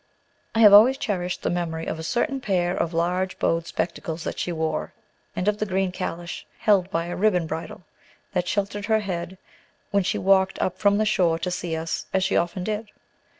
I have always cherished the memory of a certain pair of large bowed spectacles that she wore, and of the green calash, held by a ribbon bridle, that sheltered her head, when she walked up from the shore to see us, as she often did.